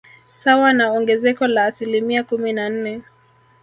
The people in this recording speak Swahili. Sawa na ongezeko la asilimia kumi na nne